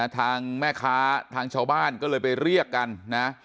ทางแม่ค้าทางชาวบ้านก็เลยไปเรียกกันนะ